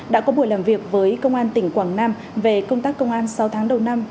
đã có buổi làm việc với công an tỉnh quảng nam về công tác công an sáu tháng đầu năm